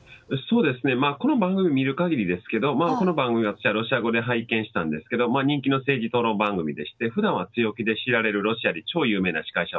この番組を見る限りですけどもこの番組、私はロシア語で拝見したんですけども人気の政治討論番組でして普段は強気で知られるロシアで超有名な司会者